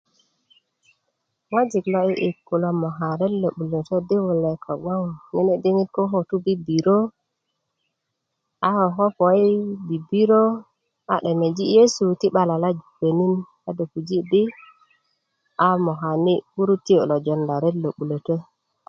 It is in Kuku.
ŋojik lo'di'dik kulo moka ret lo 'bulötö lo di wulek kobgon nene diŋit koko a tu i bibirio a ko puö i bibiriö a 'demeji yesu ti 'ba lalaju konin a do puji di a mokani kurutiyö lo jonda ret lo 'bulötö